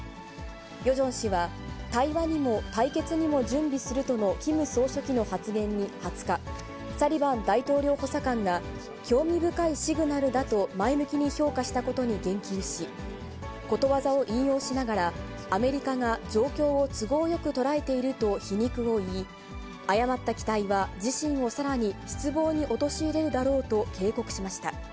ヨジョン氏は、対話にも対決にも準備するとのキム総書記の発言に２０日、サリバン大統領補佐官が、興味深いシグナルだと前向きに評価したことに言及し、ことわざを引用しながら、アメリカが状況を都合よく捉えていると皮肉を言い、誤った期待は自身をさらに失望に陥れるだろうと警告しました。